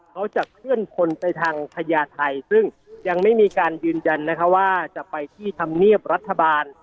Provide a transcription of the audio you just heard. เขาจะเคลื่อนคนไปทางพญาไทยซึ่งยังไม่มีการยืนยันนะคะว่าจะไปที่ธรรมเนียบรัฐบาล